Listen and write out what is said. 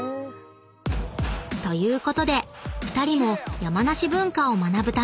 ［ということで２人も山梨文化を学ぶため］